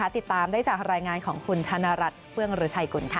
ติดตามได้จากรายงานของคุณธนรัฐเฟื้องฤทัยกุลค่ะ